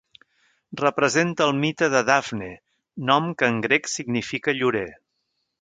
Representa el mite de Dafne, nom que en grec significa llorer.